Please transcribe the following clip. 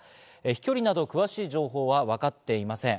飛距離など詳しい情報はわかっていません。